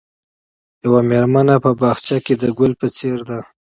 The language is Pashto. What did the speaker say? یوه مېرمنه په باغچه کې د ګل په څېر ده.